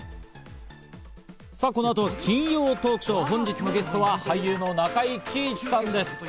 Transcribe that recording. さあ、この後は金曜トークショー、本日のゲストは俳優の中井貴一さんです。